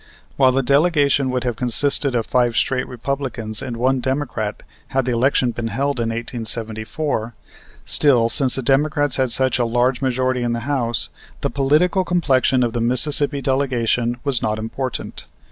While the delegation would have consisted of five straight Republicans and one Democrat had the election been held in 1874, still, since the Democrats had such a large majority in the House, the political complexion of the Mississippi delegation was not important.